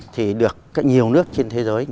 thì được nhiều nước trên thế giới